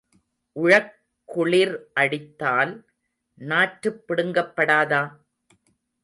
உழக் குளிர் அடித்தால் நாற்றுப் பிடுங்கப்படாதா?